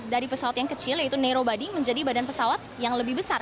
dari pesawat yang kecil yaitu narow body menjadi badan pesawat yang lebih besar